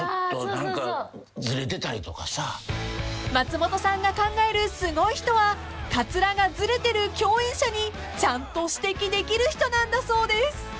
［松本さんが考えるすごい人はカツラがズレてる共演者にちゃんと指摘できる人なんだそうです］